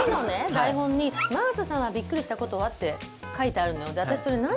台本に真麻さんがびっくりしたことは？って書いてあるの私それ何